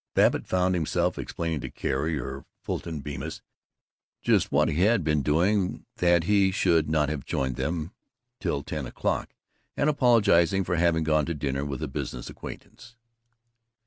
Babbitt found himself explaining to Carrie or Fulton Bemis just what he had been doing that he should not have joined them till ten o'clock, and apologizing for having gone to dinner with a business acquaintance.